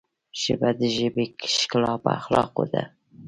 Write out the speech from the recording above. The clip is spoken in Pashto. ژبه د ژبې ښکلا په اخلاقو ده